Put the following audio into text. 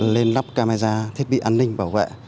lên lắp camera thiết bị an ninh bảo vệ